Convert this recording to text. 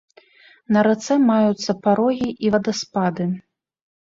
На рацэ маюцца парогі і вадаспады.